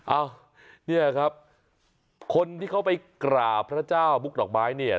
อ้าวเนี่ยครับคนที่เขาไปกราบพระเจ้ามุกดอกไม้เนี่ย